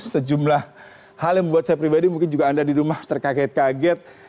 sejumlah hal yang membuat saya pribadi mungkin juga anda di rumah terkaget kaget